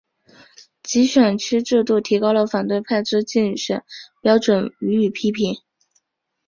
集选区制度提高了反对派之竞选标准予以批评。